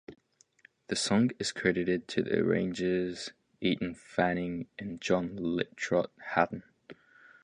The song is credited to the arrangers, Eaton Faning and John Liptrot Hatton.